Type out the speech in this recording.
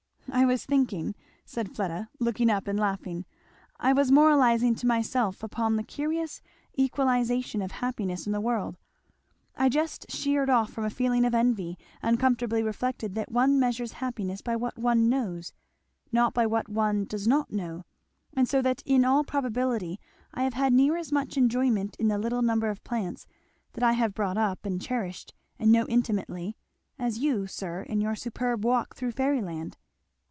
"I was thinking," said Fleda, looking up and laughing "I was moralizing to myself upon the curious equalization of happiness in the world I just sheered off from a feeling of envy, and comfortably reflected that one measures happiness by what one knows not by what one does not know; and so that in all probability I have had near as much enjoyment in the little number of plants that I have brought up and cherished and know intimately, as you, sir, in your superb walk through fairyland."